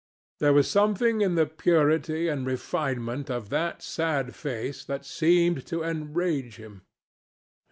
There was something in the purity and refinement of that sad face that seemed to enrage him.